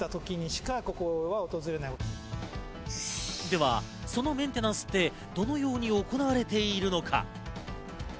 では、そのメンテナンスってどのように行われているのか。